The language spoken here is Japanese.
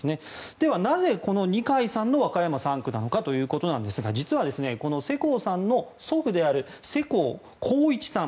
では、なぜこの二階さんの和歌山３区なのかということですが実はこの世耕さんの祖父である世耕弘一さん